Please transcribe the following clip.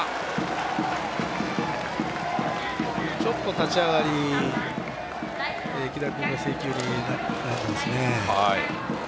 立ち上がり、木田君制球に苦しんでますね。